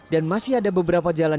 dan masih ada beberapa jalan